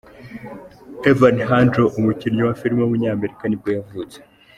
Evan Handler, umukinnyi wa filime w’umunyamerika nibwo yavutse.